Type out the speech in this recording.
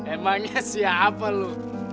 emangnya siapa lu